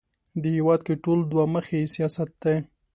دې هېواد کې ټول دوه مخی سیاست دی